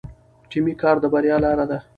ټیمي کار د بریا لاره ده.